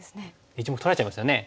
１目取られちゃいますよね。